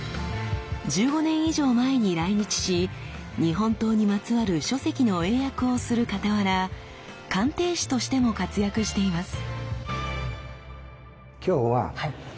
１５年以上前に来日し日本刀にまつわる書籍の英訳をするかたわら鑑定士としても活躍しています。